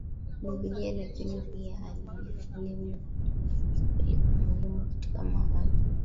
Biblia lakini pia elimu kwa jumla Falsafa ilikuwa muhimu katika mawazo